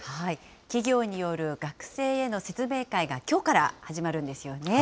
企業による学生への説明会が、きょうから始まるんですよね。